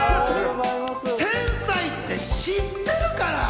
天才って知ってるから！